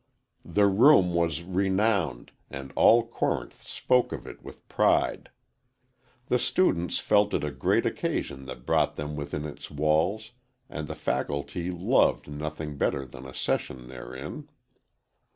The room was renowned, and all Corinth spoke of it with pride. The students felt it a great occasion that brought them within its walls and the faculty loved nothing better than a session therein.